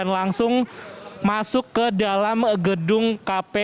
lampu lampu lampu